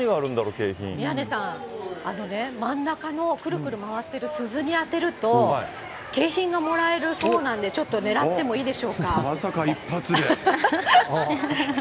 宮根さん、あのね、真ん中のくるくる回ってる鈴に当てると、景品がもらえるそうなんで、ちょまさか一発で。